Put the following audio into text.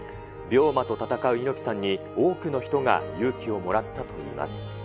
病魔と闘う猪木さんに、多くの人が勇気をもらったといいます。